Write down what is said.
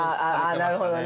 ◆なるほどね。